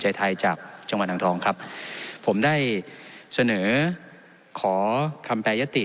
ใจไทยจากจังหวัดอังทองครับผมได้เสนอขอทำแปรยติ